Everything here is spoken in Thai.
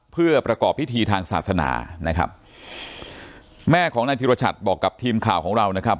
เพื่อประกอบพิธีทางศาสนานะครับแม่ของนายธิรชัดบอกกับทีมข่าวของเรานะครับ